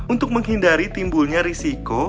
untuk menghindari timbulnya risiko